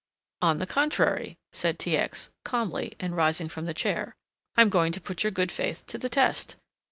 "On the contrary," said T. X., calmly, and rising from the chair, "I am going to put your good faith to the test."